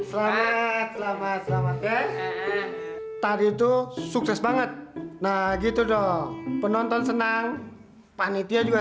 sampai jumpa di video selanjutnya